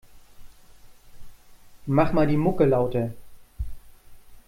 Mach mal die Mucke lauter.